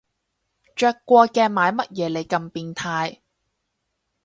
着過嘅買乜嘢你咁變態